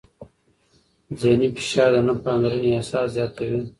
ذهني فشار د نه پاملرنې احساس زیاتوي.